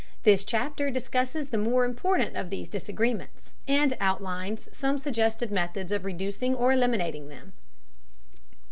This chapter discusses the more important of these disagreements, and outlines some suggested methods of reducing or eliminating them.